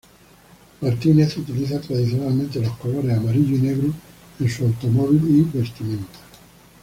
Martínez utiliza tradicionalmente los colores amarillo y negro en su automóvil y vestimenta.